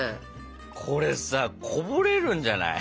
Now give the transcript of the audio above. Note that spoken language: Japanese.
これさこぼれるんじゃない？